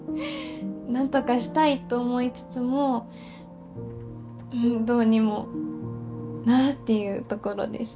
なんとかしたいと思いつつもうんどうにもなあっていうところです